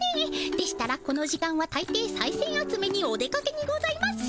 でしたらこの時間はたいていさいせん集めにお出かけにございます。